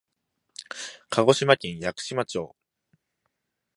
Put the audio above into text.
鹿児島県屋久島町